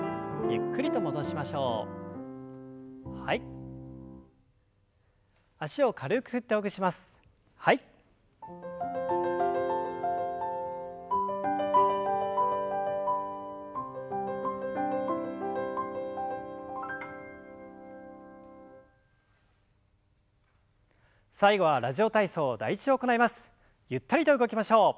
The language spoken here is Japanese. ゆったりと動きましょう。